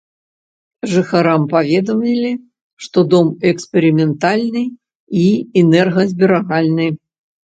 Жыхарам паведамілі, што дом эксперыментальны і энергазберагальны.